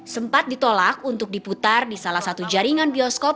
sempat ditolak untuk diputar di salah satu jaringan bioskop